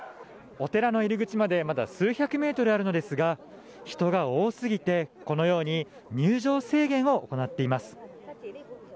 お寺の入り口までまだ数百メートルあるのですが人が多すぎて入場制限を行っています。